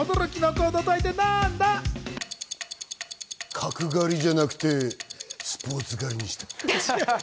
角刈りじゃなくてスポーツ刈りにした。